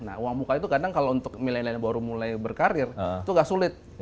nah uang muka itu kadang kalau untuk milenial baru mulai berkarir itu nggak sulit